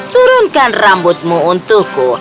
turunkan rambutmu untukku